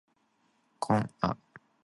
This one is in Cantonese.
琴晚乜嘢事都冇發生